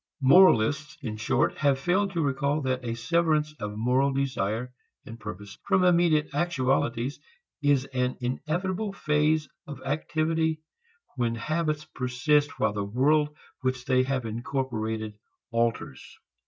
Moralists in short have failed to recall that a severance of moral desire and purpose from immediate actualities is an inevitable phase of activity when habits persist while the world which they have incorporated alters.